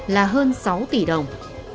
là hơn sáu tỷ đồng